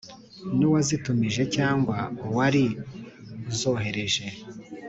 N’uwazitumije cyangwa uwari uzohereje